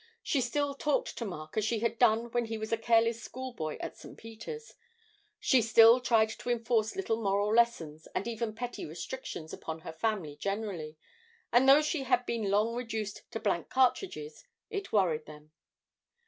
She still talked to Mark as she had done when he was a careless schoolboy at St. Peter's; she still tried to enforce little moral lessons and even petty restrictions upon her family generally; and though she had been long reduced to blank cartridges, it worried them.